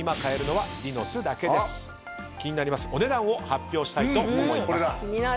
気になりますお値段を発表したいと思います。